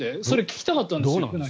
それを聞きたかったんです。